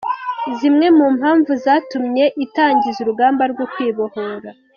Zimwe mu mpamvu zatumye itangiza urugamba rwo kwibohora